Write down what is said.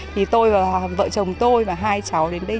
thì tôi và vợ chồng tôi và hai cháu đến đây